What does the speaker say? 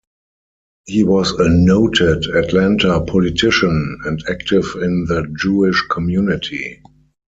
He was a noted Atlanta politician, and active in the Jewish community.